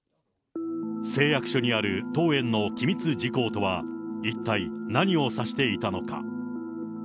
誓約書にある当園の機密事項とは、一体何を指していたのか。